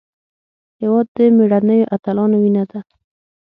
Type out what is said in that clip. هېواد د مېړنیو اتلانو وینه ده.